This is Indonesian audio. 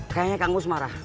kayaknya kang gus marah